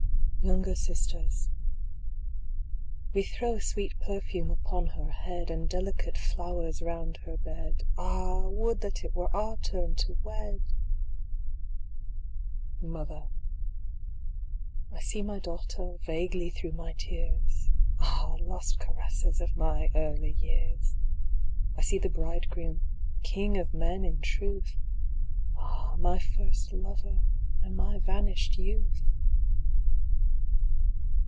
Younger Sisters We throw sweet perfume upon her head, And delicate flowers round her bed. Ah, would that it were our turn to wed ! Mother I see my daughter, vaguely, through my tears, (Ah, lost caresses of my early years !) I see the bridegroom, King of men in truth ! (Ah, my first lover, and my vanished youth